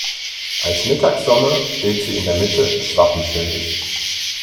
Als "Mittagssonne" steht sie in der Mitte des Wappenschildes.